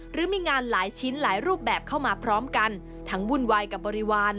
หรือมีงานหลายชิ้นหลายรูปแบบเข้ามาพร้อมกันทั้งวุ่นวายกับบริวาร